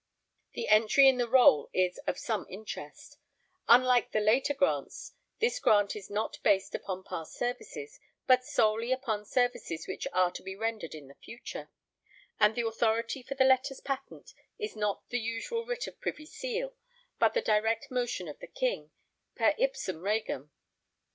The entry in the Roll is of some interest; unlike the later grants, this grant is not based upon past services, but solely upon services which are to be rendered in the future, and the authority for the letters patent is not the usual writ of privy seal, but the direct motion of the King: 'per ipsum Regem.'